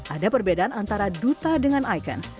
ada perbedaan antara duta dengan icon